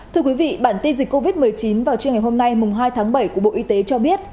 thưa quý vị bản tin dịch covid một mươi chín vào trưa ngày hôm nay hai tháng bảy của bộ y tế cho biết